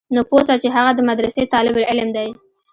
نو پوه سه چې هغه د مدرسې طالب العلم دى.